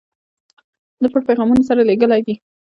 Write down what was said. د پټو پیغامونو سره لېږلی دي.